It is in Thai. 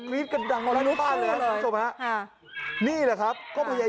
แล้วมันเรียกว่า